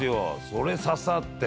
それ刺さって。